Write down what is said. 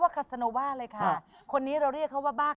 แขกรับเชิญ